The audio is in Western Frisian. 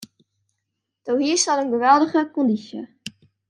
Doe hiest al in geweldige kondysje.